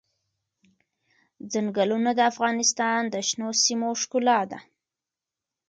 ځنګلونه د افغانستان د شنو سیمو ښکلا ده.